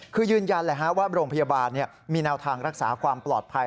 คือยืนยันแหละฮะว่าโรงพยาบาลมีแนวทางรักษาความปลอดภัย